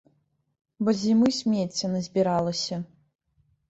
Бо з зімы смецця назбіралася.